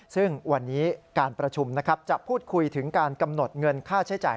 ซึ่งวันนี้การประชุมนะครับจะพูดคุยถึงการกำหนดเงินค่าใช้จ่าย